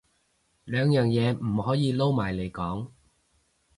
兩樣嘢唔可以撈埋嚟講